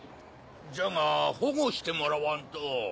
じゃが保護してもらわんと。